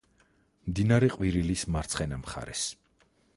მდინარე ყვირილის მარცხენა მხარეს.